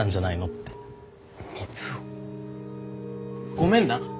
ごめんな。